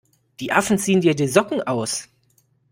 Die Affen ziehen dir die Socken aus!